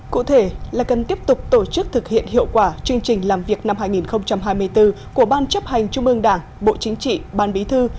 cụ thể là cần tiếp tục tổ chức thực hiện hiệu quả chương trình làm việc năm hai nghìn hai mươi bốn của ban chấp hành trung ương đảng bộ chính trị ban bí thư